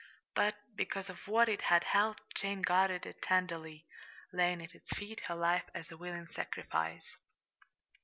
But because of what it had held, Jane guarded it tenderly, laying at its feet her life as a willing sacrifice.